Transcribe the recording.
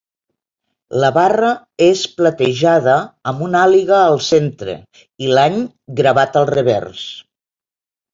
La barra és platejada amb una àliga al centre i l'any gravat al revers.